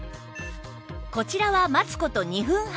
こちらは待つ事２分半